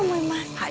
はい。